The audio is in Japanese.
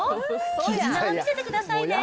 絆を見せてくださいね。